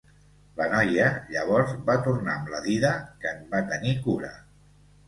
La noia, llavors, va tornar amb la dida, que en va tenir cura.